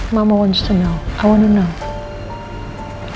mama ingin tahu aku ingin tahu